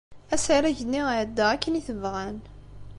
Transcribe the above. Asarag-nni iɛedda akken i t-bɣan.